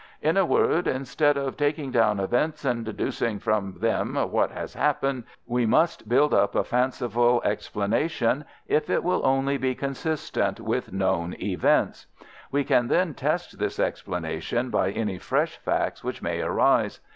In a word, instead of taking known events and deducing from them what has occurred, we must build up a fanciful explanation if it will only be consistent with known events. We can then test this explanation by any fresh facts which may arise.